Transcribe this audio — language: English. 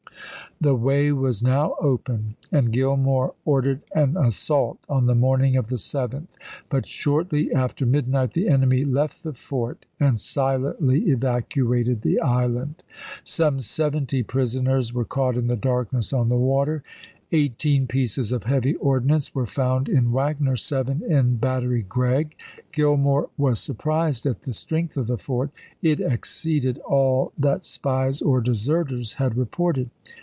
The way was now open, and Gillmore ordered an assault on the morning of the 7th ; but shortly after midnight the enemy left the fort and silently evacuated the island. Some seventy prisoners were caught in the darkness on the water. Eigh teen pieces of heavy ordnance were found in Wagner, seven in Battery Gregg. Gillmore was surprised at the strength of the fort; it exceeded all that spies or deserters had reported.